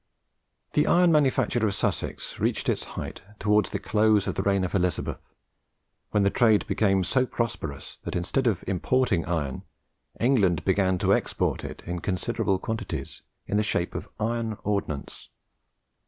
The iron manufacture of Sussex reached its height towards the close of the reign of Elizabeth, when the trade became so prosperous that, instead of importing iron, England began to export it in considerable quantities, in the shape of iron ordnance.